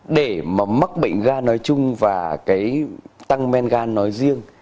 để mà mắc bệnh ga nói chung và cái tăng men gan nói riêng